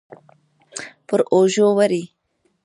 پر اوږو وړي